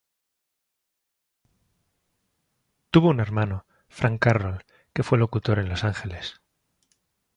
Tuvo un hermano, Frank Carroll, que fue locutor en Los Ángeles.